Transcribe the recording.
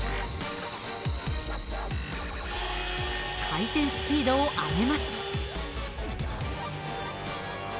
回転スピードを上げます。